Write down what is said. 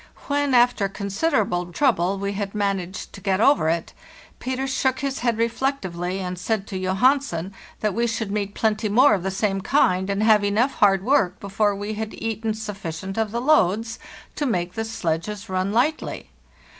When, after consider able trouble, we had managed to get over it, Peter shook his head reflectively, and said to Johansen that we should meet plenty more of the same kind, and have enough hard work before we had eaten sufficient of the loads to make the sledges run lightly.